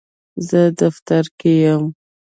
زه دفتر کې یم.